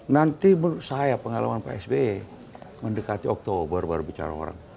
nanti menurut saya pengalaman pak sby mendekati oktober baru bicara orang